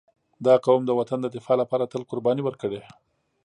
• دا قوم د وطن د دفاع لپاره تل قرباني ورکړې.